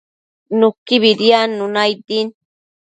Nuquibi diadnuna aid din